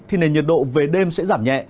thì nền nhiệt độ về đêm sẽ giảm nhẹ